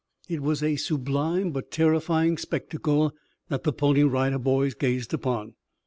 It was a sublime but terrifying spectacle that the Pony Rider Boys gazed upon.